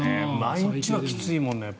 毎日はきついもんな。